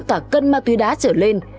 cả cân ma túy đá trở lên